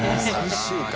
３週間。